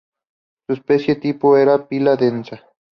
Su especie-tipo era "Pila densa".